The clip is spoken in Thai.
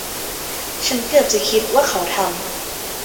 ฉันเกือบจะคิดว่าเขาทำ